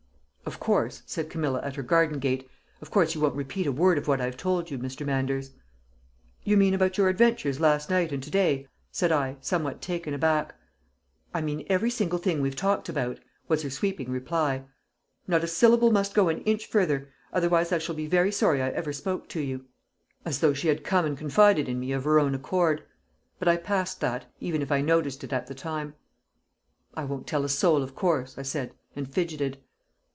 "Of course," said Camilla at her garden gate, "of course you won't repeat a word of what I've told you, Mr. Manders?" "You mean about your adventures last night and to day?" said I, somewhat taken aback. "I mean every single thing we've talked about!" was her sweeping reply. "Not a syllable must go an inch further; otherwise I shall be very sorry I ever spoke to you." As though she had come and confided in me of her own accord! But I passed that, even if I noticed it at the time. "I won't tell a soul, of course," I said, and fidgeted.